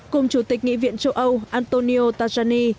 cùng chủ tịch nghị viện châu âu antonio tajani